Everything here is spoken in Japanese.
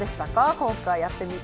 今回やってみて。